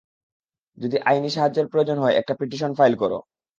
যদি আইনি সাহায্যের প্রয়োজন হয়, একটা পিটিশন ফাইল করো।